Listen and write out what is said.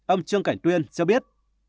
ông trương cảnh tuyên cho biết